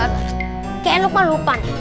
kayaknya lukman lupa